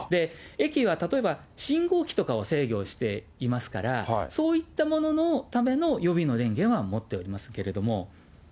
駅は例えば信号機とかを制御していますから、そういったもののための予備の電源は持っておりますけれども。